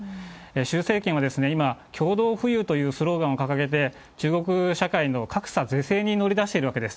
周政権は今、共同富裕というスローガンを掲げて、中国社会の格差是正に乗り出しているわけです。